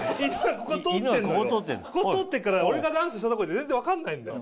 ここ通ってるから俺がダンスしたとこで全然分かんないんだよ。